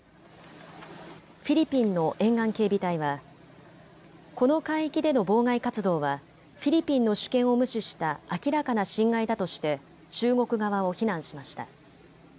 フィリピンの沿岸警備隊はこの海域での妨害活動はフィリピンの主権を無視した明らかな侵害だとして中国側を非難しました。